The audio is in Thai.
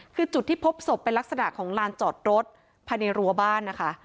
คือจุดที่พบศพเป็นลักษณะของลานจอดรถภายในรัวบ้านนะคะ